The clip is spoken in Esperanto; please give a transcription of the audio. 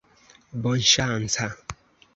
bonŝanca